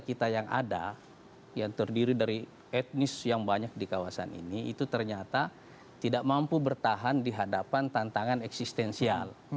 kita yang ada yang terdiri dari etnis yang banyak di kawasan ini itu ternyata tidak mampu bertahan di hadapan tantangan eksistensial